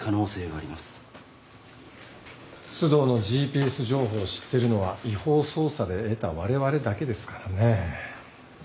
須藤のＧＰＳ情報知ってるのは違法捜査で得たわれわれだけですからね。